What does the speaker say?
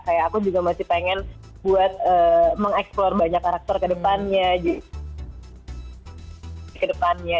kayak aku juga masih pengen buat mengeksplor banyak karakter ke depannya gitu